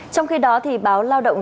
trong khi đó báo lao động